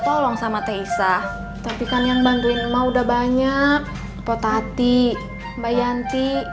tolong sama teh isah tapi kan yang bantuin mau udah banyak potati mbak yanti